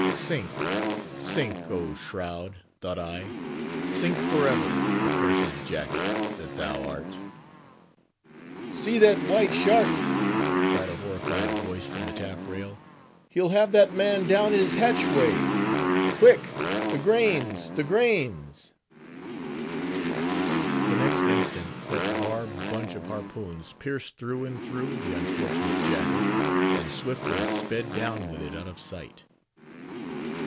Sink! sink! oh shroud! thought I; sink forever! accursed jacket that thou art! "See that white shark!" cried a horrified voice from the taffrail; "he'll have that man down his hatchway! Quick! the grains! the grains!" The next instant that barbed bunch of harpoons pierced through and through the unfortunate jacket, and swiftly sped down with it out of sight.